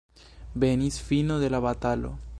Venis fino de la batalo.